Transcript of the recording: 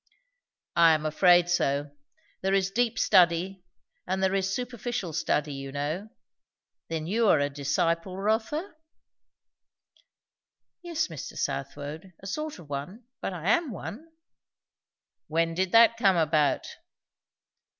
"I am afraid so. There is deep study, and there is superficial study, you know. Then you are a disciple, Rotha?" "Yes, Mr. Southwode; a sort of one. But I am one." "When did that come about?"